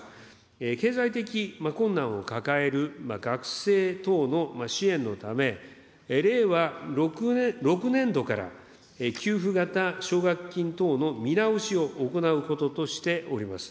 経済的困難を抱える学生等の支援のため、令和６年度から給付型奨学金等の見直しを行うこととしております。